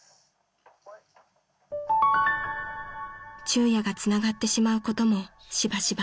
［昼夜がつながってしまうこともしばしば］